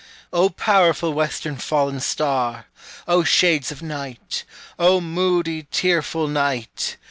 O powerful western fallen star! O shades of night O moody, tearful night!